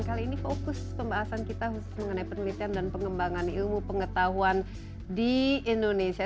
kali ini fokus pembahasan kita mengenai penelitian dan pengembangan ilmu pengetahuan di indonesia